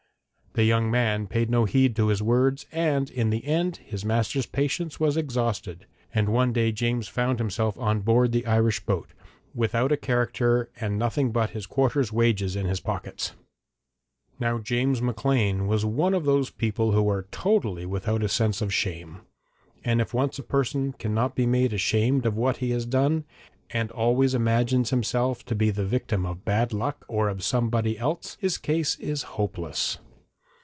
The young man paid no heed to his words, and in the end his master's patience was exhausted, and one day James found himself on board the Irish boat, without a character and nothing but his quarter's wages in his pockets. Now James Maclean was one of those people who are totally without a sense of shame, and if once a person cannot be made ashamed of what he has done, and always imagines himself to be the victim of bad luck or of somebody else, his case is hopeless.